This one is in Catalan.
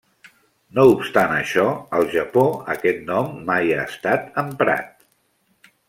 No obstant això, al Japó aquest nom mai ha estat emprat.